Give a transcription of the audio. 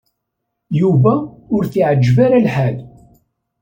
Yuba ur t-iɛejjeb ara lḥal.